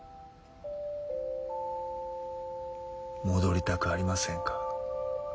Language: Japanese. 戻りたくありませんか？